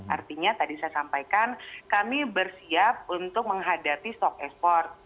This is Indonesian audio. artinya tadi saya sampaikan kami bersiap untuk menghadapi stok ekspor